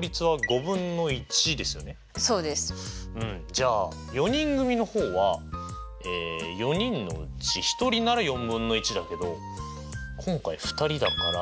じゃあ４人組の方は４人のうち１人なら４分の１だけど今回２人だから。